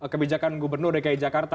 kebijakan gubernur dki jakarta